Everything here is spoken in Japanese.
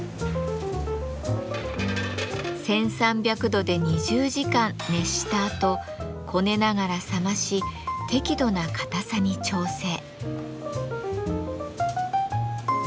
１，３００度で２０時間熱したあとこねながら冷まし適度な硬さに調整。